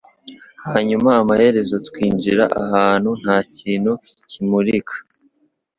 hanyuma amaherezo twinjira ahantu ntakintu kimurika